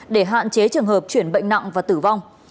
để hạn chế trường hợp chuyển bệnh nặng và tử vong